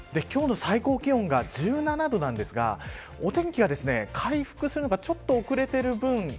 今日の最高気温が１７度なんですがお天気が回復するのがちょっと遅れている分